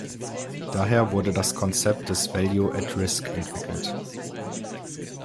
Daher wurde das Konzept des Value at Risk entwickelt.